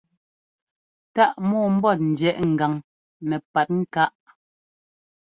Táʼ mɔɔmbɔ́t njiɛ́ʼ ŋgan nɛpatŋkáʼ.